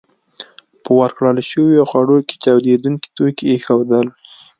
په ورکړل شويو خوړو کې چاودېدونکي توکي ایښودل